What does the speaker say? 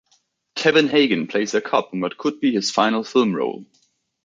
Kevin Hagen plays a cop in what would be his final film role.